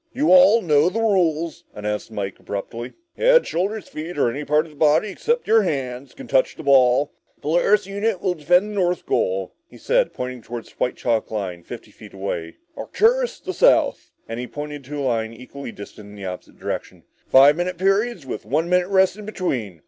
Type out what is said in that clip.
"You all know the rules," announced McKenny abruptly. "Head, shoulders, feet, knees, or any part of your body except your hands, can touch the ball. Polaris unit will defend the north goal," he said, pointing to a white chalk line fifty yards away, "Arcturus the south," and he pointed to a line equally distant in the opposite direction. "Five minute periods, with one minute rest between.